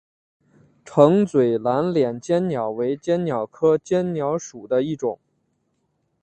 橙嘴蓝脸鲣鸟为鲣鸟科鲣鸟属的一种。